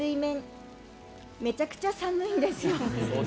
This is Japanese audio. めちゃくちゃ寒いですよ。